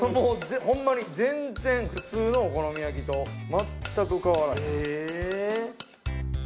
ホンマに全然普通のお好み焼きと全く変わらへん。